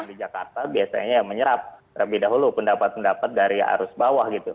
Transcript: di jakarta biasanya ya menyerap lebih dahulu pendapat pendapat dari arus bawah gitu